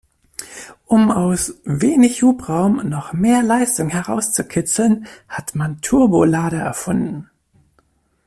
Um aus wenig Hubraum noch mehr Leistung herauszukitzeln, hat man Turbolader erfunden.